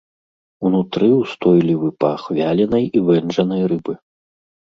Унутры ўстойлівы пах вяленай і вэнджанай рыбы.